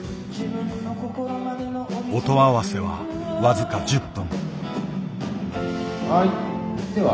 音合わせは僅か１０分。